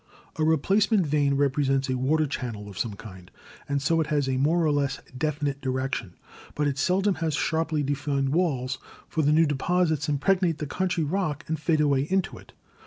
A replace ment vein represents a water channel of some kind, and so it has a more or less definite direction, but it seldom has sharply defined walls, for the new deposits impregnate the country rock and fade away into it.